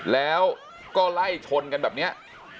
แล้วก็ไล่ชนกันแบบนี้